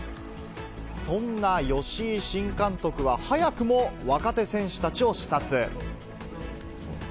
そんな吉井新監督は早くも若手選手たちを視察。